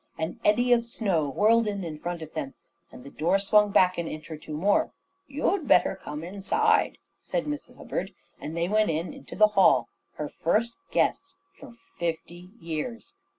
An eddy of snow whirled in in front of them, and the door swung back an inch or two more. "You'd better come inside," said Miss Hubbard, and they went into the hall, her first guests for fifty years.